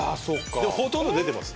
でもほとんど出てます。